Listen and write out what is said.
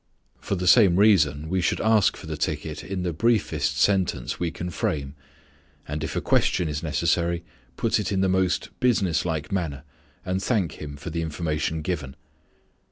For the same reason we should ask for the ticket in the briefest sentence we can frame, and if a question is necessary, put it in the most business like manner, and thank him for the information given.